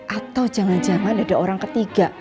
atau jangan jangan ada orang ketiga